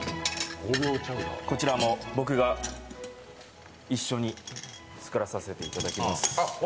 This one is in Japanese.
こちらも僕が一緒に作らさせていただきます。